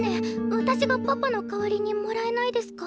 私がパパの代わりにもらえないですか？